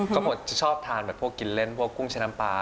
ก็จะชอบทานแบบพวกกินเล่นพวกกุ้งใช้น้ำปลา